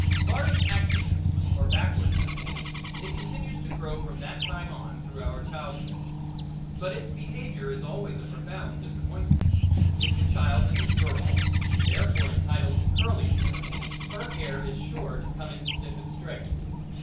Barring accidents or backwardness, it continues to grow from that time on through our childhood, but its behavior is always a profound disappointment. If the child is a girl and, therefore, entitled to curly hair, her hair is sure to come in stiff and straight.